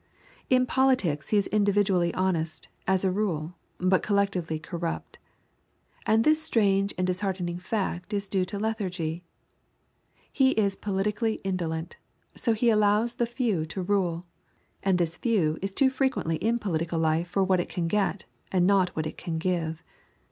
In politics he is individually honest, as a rule, but collectively corrupt. And this strange and disheartening fact is due to lethargy. He is politically indolent, so he allows the few to rule, and this few is too frequently in political life for what it can get and not what it can give.